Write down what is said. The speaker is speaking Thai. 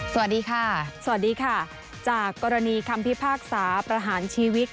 สวัสดีค่ะสวัสดีค่ะจากกรณีคำพิพากษาประหารชีวิต